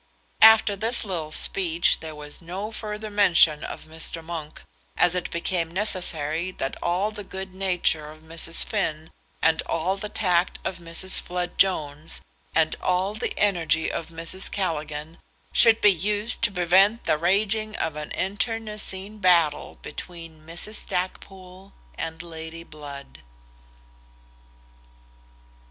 After this little speech there was no further mention of Mr. Monk, as it became necessary that all the good nature of Mrs. Finn and all the tact of Mrs. Flood Jones and all the energy of Mrs. Callaghan should be used, to prevent the raging of an internecine battle between Mrs. Stackpoole and Lady Blood.